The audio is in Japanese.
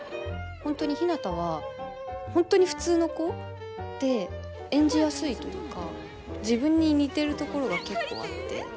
本当にひなたは本当に普通の子で演じやすいというか自分に似てるところが結構あって。